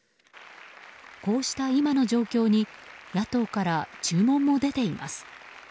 こうした今の状況に野党から注文も出ています。